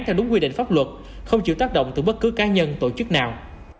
theo đúng quy định pháp luật không chịu tác động từ bất cứ cá nhân tổ chức nào